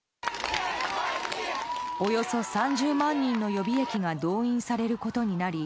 およそ３０万人の予備役が動員されることになり